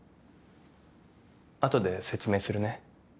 後で説明するね。